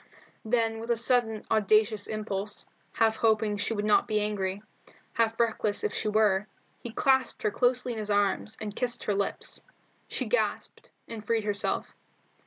Then with a sudden, audacious impulse, half hoping she would not be angry, half reckless if she were, he clasped her closely in his arms, and kissed her lips. She gasped, and freed herself.